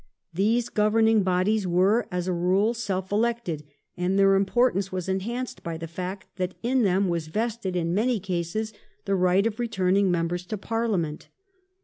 These governing bodies were as a rule self elected, and then importance was enhanced by the fact that in them was vested, in many cases, the right of returning membei"s to Parliament.